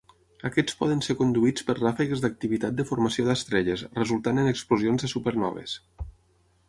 Aquests poden ser conduïts per ràfegues d'activitat de formació d'estrelles, resultant en explosions de supernoves.